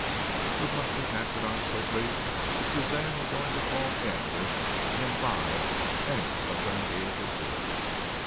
It must be acted on quickly if Suzanne were going to fall in with and imbibe any such ideas as these.